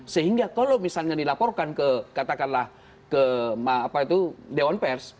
sehingga kalau misalnya dilaporkan ke katakanlah ke dewan pers